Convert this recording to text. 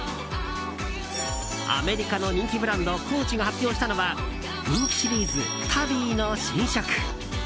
アメリカの人気ブランドＣＯＡＣＨが発表したのは人気シリーズ、タビーの新色。